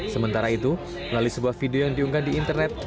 sementara itu melalui sebuah video yang diunggah di internet